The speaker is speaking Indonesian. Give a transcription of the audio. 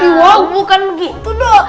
iwaa bukan begitu dong